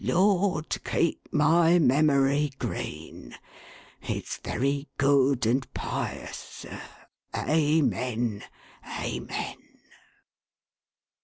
' Lord, keep my memory green !' It's very good and pious, sir. Amen ! Amen